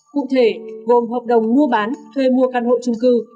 cụ thể gồm hợp đồng mua bán thuê mua căn hộ trung cư